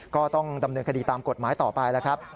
ก็ต้องดำเนินคดีตามกฎหมายต่อไปแล้วครับ